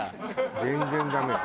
全然ダメよ。